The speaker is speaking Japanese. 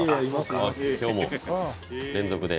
今日も連続で。